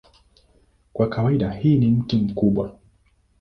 Kwa kawaida hii ni miti mikubwa.